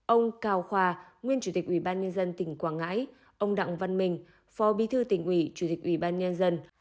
ông cào khoa nguyên chủ tịch ủy ban nhân dân tỉnh quảng ngãi ông đặng văn minh phó bí thư tỉnh ủy chủ tịch ủy ban nhân dân